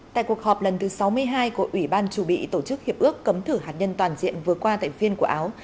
tại cuộc họp lần thứ sáu mươi hai của ủy ban chủ bị tổ chức hiệp ước cấm thử hạt nhân toàn diện vừa qua tại phiên của áo